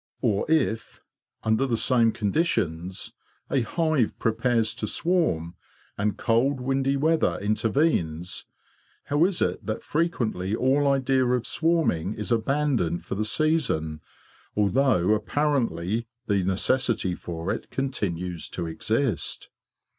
Or if, under the same conditions, a hive prepares to swarm and cold windy weather intervenes, how is it that frequently all idea of swarming is abandoned for the season, although apparently the necessity for it continues to exist?